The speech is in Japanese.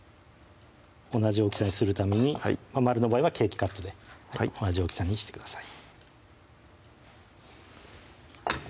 同じ大きさにするために円の場合はケーキカットで同じ大きさにしてください